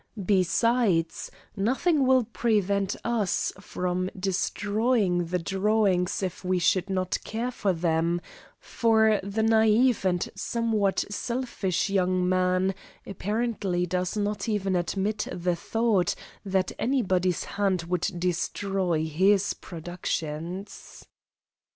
Besides, nothing will prevent us from destroying the drawings if we should not care for them, for the naive and somewhat selfish young man apparently does not even admit the thought that anybody's hand would destroy his productions."